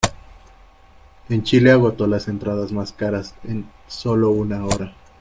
En Chile agotó las entradas más caras en solo una hora.